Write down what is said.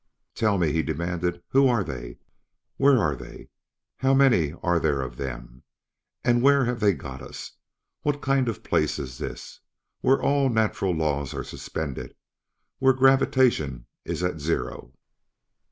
"Tell me," he demanded, "who are 'they'? Where are they? How many are there of them? And where have they got us? What kind of a place is this, where all natural laws are suspended, where gravitation is at zero?